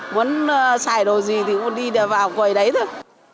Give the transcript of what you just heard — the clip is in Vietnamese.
muốn xài đồ gì thì muốn đi vào quầy đấy thôi